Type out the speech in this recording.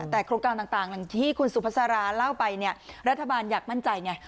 แต่โครงการต่างที่คุณสุภาษาราเล่าไปเนี่ยรัฐบาลอยากมั่นใจไง